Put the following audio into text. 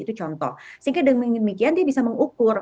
itu contoh sehingga dengan demikian dia bisa mengukur